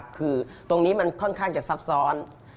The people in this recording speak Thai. คือตรงนี้มันค่อนข้างจะซับซ้อน